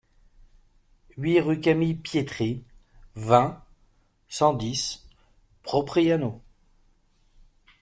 huit rue Camille Pietri, vingt, cent dix, Propriano